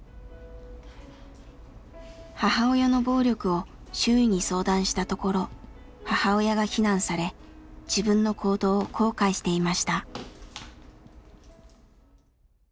母親の暴力を周囲に相談したところ母親が非難され自分の行動を後悔していました。